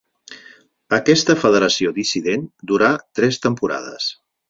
Aquesta federació dissident durà tres temporades.